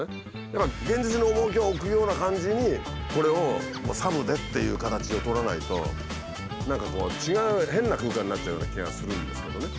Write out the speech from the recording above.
やっぱ現実に重きを置くような感じにこれをサブでっていう形を取らないと何かこう違う変な空間になっちゃうような気がするんですけどね